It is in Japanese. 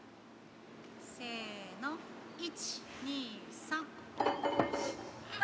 せーの、１、２、３。